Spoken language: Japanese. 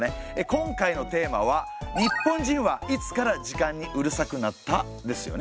今回のテーマは「日本人はいつから時間にうるさくなった？」ですよね。